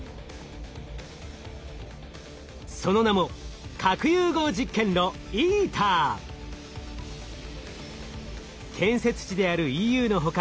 その名も建設地であるＥＵの他